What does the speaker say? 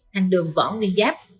thành đường võ nguyên giáp